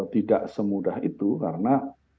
tidak semudah itu karena